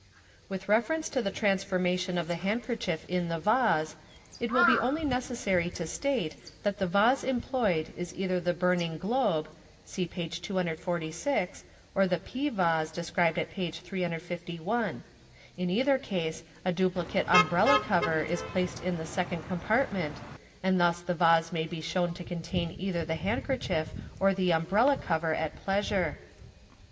With reference to the transformation of the handkerchief in the vase, it will be only necessary to state that the vase employed is either the burning globe (see page 246), or the " pea vase " described at page 351. In either case a duplicate umbrella cover is placed in the second compartment, and thus the vase may be shown to contain either the handkerchief or the umbrella cover at pleasure.